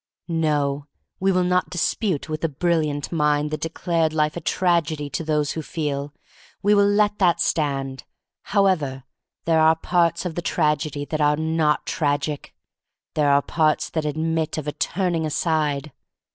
No. We will not dispute with the THE STORY OF MARY MAC LANE 87 brilliant mind that declared life a tragedy to those who feel. We will let that stand. However, there are parts of the tragedy that are not tragic. There are parts that admit of a turning aside.